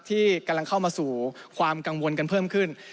ที่กำลังเข้ามาสู่ความกังวลกันเพิ่มขึ้น